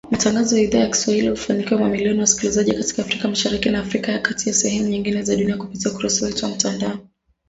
Matangazo ya Idhaa ya Kiswahili huwafikia mamilioni ya wasikilizaji katika Afrika Mashariki na Afrika ya kati na sehemu nyingine za dunia kupitia ukurasa wetu wa mtandao.